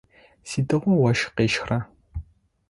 Сыдигъо ощх къещхра?